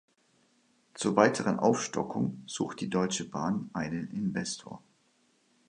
Zur weiteren Aufstockung sucht die Deutsche Bahn einen Investor.